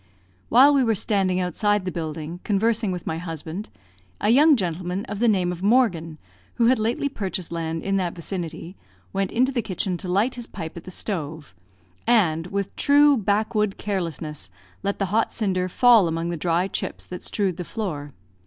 While we were standing outside the building, conversing with my husband, a young gentleman, of the name of Morgan, who had lately purchased land in that vicinity, went into the kitchen to light his pipe at the stove, and, with true backwood carelessness, let the hot cinder fall among the dry chips that strewed the floor.